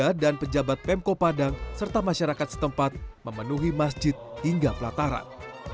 warga dan pejabat pemko padang serta masyarakat setempat memenuhi masjid hingga pelataran